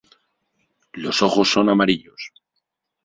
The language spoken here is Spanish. Los ojos son amarillos.